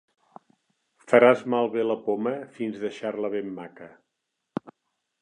Faràs malbé la poma fins deixar-la ben maca.